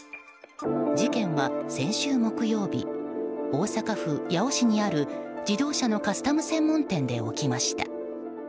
事件は先週木曜日大阪府八尾市にある自動車のカスタム専門店で起きました。